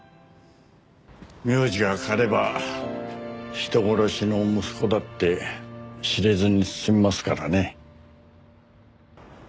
名字が変われば人殺しの息子だって知れずに済みますからね。